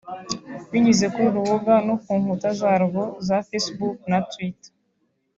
binyuze kuri uru rubuga no ku nkuta zaryo za Facebook na Twitter